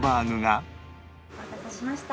お待たせしました。